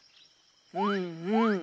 うんうん。